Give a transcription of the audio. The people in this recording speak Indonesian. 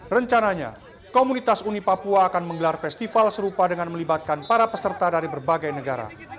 rencananya komunitas uni papua akan menggelar festival serupa dengan melibatkan para peserta dari berbagai negara